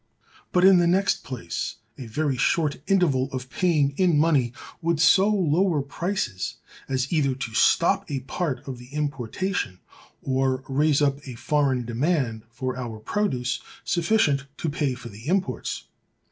But, in the next place, a very short interval of paying in money would so lower prices as either to stop a part of the importation, or raise up a foreign demand for our produce, sufficient to pay for the imports.